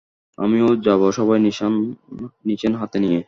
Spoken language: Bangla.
আমিও যাব সভায় নিশেন হাতে নিয়ে।